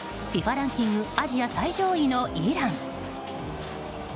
ランキングアジア最上位のイラン。